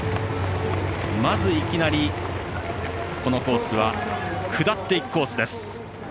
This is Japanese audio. まず、いきなり、このコースは下っていくコースです。